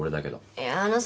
いやあのさ